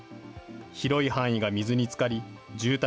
広い範囲が水につかり、住宅